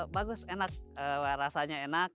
bagus enak rasanya enak